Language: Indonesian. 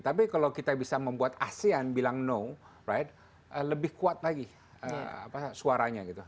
tapi kalau kita bisa membuat asean bilang no right lebih kuat lagi suaranya gitu